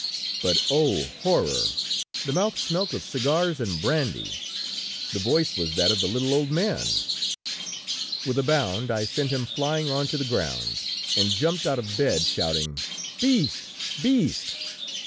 "But, oh! horror! The mouth smelt of cigars and brandy! The voice was that of the little old man! "With a bound I sent him flying on to the ground, and jumped out of bed, shouting: "'Beast! beast!'